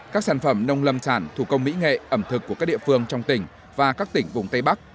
các sản phẩm nông lâm sản thủ công mỹ nghệ ẩm thực của các địa phương trong tỉnh và các tỉnh vùng tây bắc